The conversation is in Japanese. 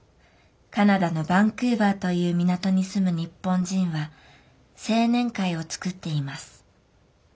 カナダのバンクーバーという港に住む日本人は青年会を作っています。